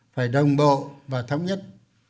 phải đồng bộ và thống nhất